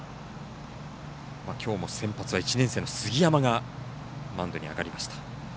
きょうも先発は１年生の杉山がマウンドに上がりました。